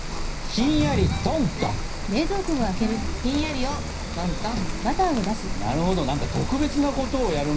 ひんやりしたものをトントン。